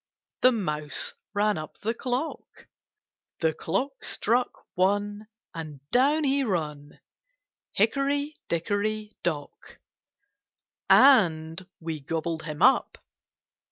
The mouse ran up the clock; The clock struck one, And down he run. Hickory, dickory, dock.' And we gobbled him up.